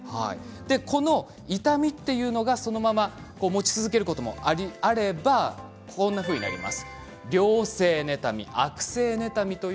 この痛みというのがそのまま続くこともあればこんなふうになります。